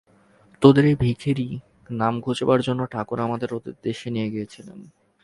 তোদের এই ভিখিরী-নাম ঘুচবার জন্যে ঠাকুর আমাকে ওদের দেশে নিয়ে গিয়েছিলেন।